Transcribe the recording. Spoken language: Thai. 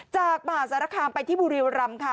จากมหาสารคามไปที่บุรีรำค่ะ